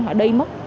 họ đi mất